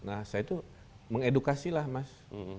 nah saya itu mengedukasilah mas